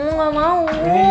enggak mau bu